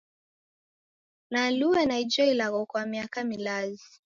Nalue na ijo ilagho kwa miaka milazi.